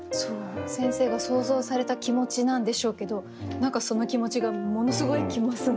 先生が想像された気持ちなんでしょうけど何かその気持ちがものすごい来ますね。